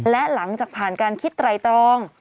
และหลังจากผ่านการคิดไตรตรอง